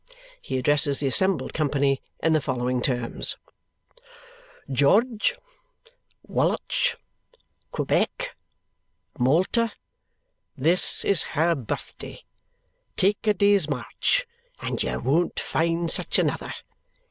He addresses the assembled company in the following terms. "George. Woolwich. Quebec. Malta. This is her birthday. Take a day's march. And you won't find such another.